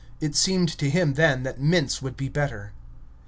It seemed to him then that mince would be better.